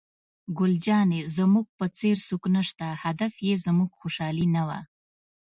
ګل جانې: زموږ په څېر څوک نشته، هدف یې زموږ خوشحالي نه وه.